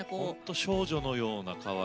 本当、少女のような。